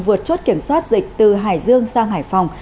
vượt chốt kiểm soát dịch từ hải dương sang hải phòng